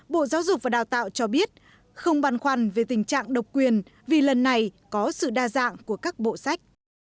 bộ giáo dục và đào tạo cho biết không băn khoăn về tình trạng độc quyền vì lần này có sự đa dạng của các bộ sách